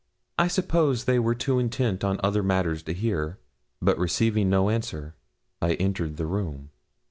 I suppose they were too intent on other matters to hear, but receiving no answer, I entered the room.